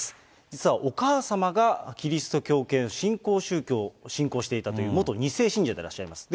実はお母様がキリスト教系の新興宗教を信仰していたという、元２世信者でらっしゃいます。